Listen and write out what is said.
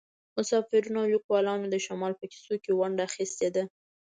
مسافرینو او لیکوالانو د شمال په کیسو کې ونډه اخیستې ده